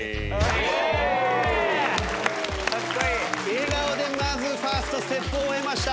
笑顔でまずファーストステップを終えました。